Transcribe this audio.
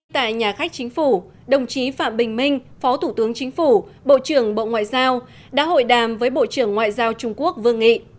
tại nhà khách chính phủ đồng chí phạm bình minh phó thủ tướng chính phủ bộ trưởng bộ ngoại giao đã hội đàm với bộ trưởng ngoại giao trung quốc vương nghị